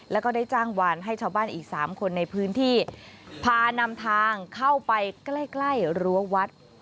แล้วก็ได้จ้างวานให้ชาวบ้านอีกสามคนในพื้นที่พานำทางเข้าไปใกล้ใกล้รั้ววัด